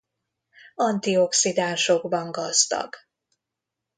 Antioxidánsokban gazdag.